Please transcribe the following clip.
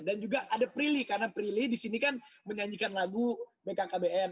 dan juga ada prilly karena prilly di sini kan menyanyikan lagu bkkbn